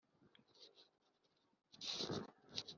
barafatiwe ibihano byo mu rwego rw’ubutabera